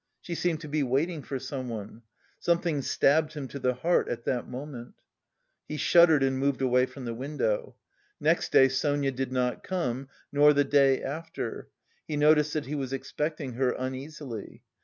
She seemed to be waiting for someone. Something stabbed him to the heart at that minute. He shuddered and moved away from the window. Next day Sonia did not come, nor the day after; he noticed that he was expecting her uneasily.